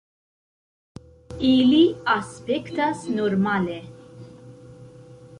Ili aspektas normale.